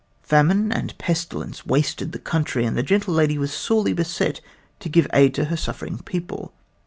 Famine and pestilence wasted the country, and the gentle lady was sorely beset to give aid to her suffering people.